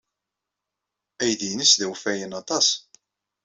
Aydi-nnes d awfayan aṭas.